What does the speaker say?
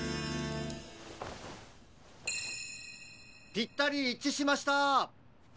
ぴったりいっちしました。